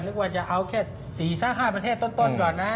ว่าจะเอาแค่๔๕ประเทศต้นก่อนนะ